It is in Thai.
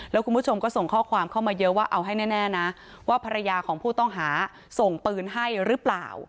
แล้วคุณผู้ชมก็ส่งข้อความเข้ามาเยอะว่าเอาให้แน่นะว่าภรรยาของผู้ต้องหาส่งปืนให้หรือเปล่า